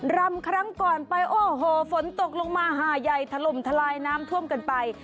รำครั้งก่อนไปโอ้โหฝนตกลงมาหาใหญ่ถล่มทลายน้ำท่วมกันไป